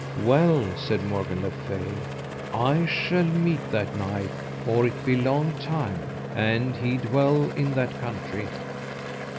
Well, said Morgan le Fay, I shall meet that knight or it be long time, an he dwell in that country.